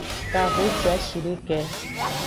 Kahociashideke.